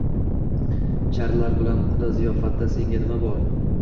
Charlar bilan quda ziyofatda senga nima bor